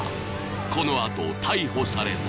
［この後逮捕された］